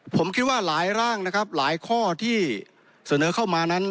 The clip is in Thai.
ผมคิดว่าหลายร่างนะครับหลายข้อที่เสนอเข้ามานั้น